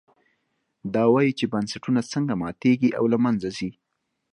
دا وایي چې بنسټونه څنګه ماتېږي او له منځه ځي.